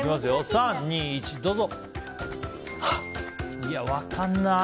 ３、２、１、どうぞ！